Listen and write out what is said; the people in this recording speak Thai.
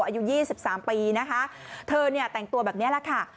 อยู่ยี่สิบสามปีนะคะเธอเนี้ยแต่งตัวแบบเนี้ยล่ะค่ะ